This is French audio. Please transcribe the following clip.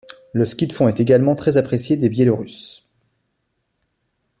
Le ski de fond est également très apprécié des Biélorusses.